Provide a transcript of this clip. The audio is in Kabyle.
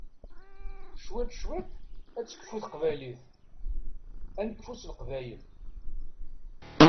Cwiṭ cwiṭ, ad tekfu teqbaylit, ad nekfu s leqbayel.